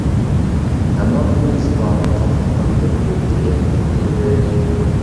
ئەمما بۈگۈن زىبانىڭ قاپىقى تارتىپ، يۈرىكى ئېغىپلا تۇردى.